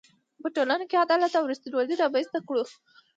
په ټولنه کې عدالت او ریښتینولي رامنځ ته کړو.